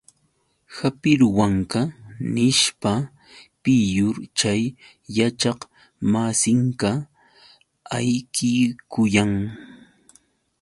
¡Hapiruwanqa!, nishpa, piyur chay yachaqmasinqa ayqikuyan.